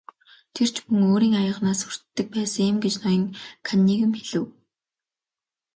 Тэр ч мөн өөрийн аяганаас хүртдэг байсан юм гэж ноён Каннингем хэлэв.